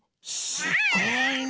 すごいね。